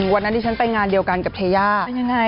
วันนั้นที่ฉันไปงานเดียวกันกับเทย่ายังไง